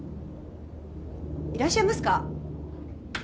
いらっしゃいますか？